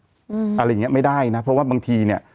อะไรอย่างเงี้ไม่ได้นะเพราะว่าบางทีเนี่ย